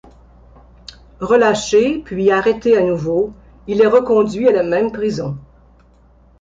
Relâché puis arrêté à nouveau, il est reconduit à la même prison.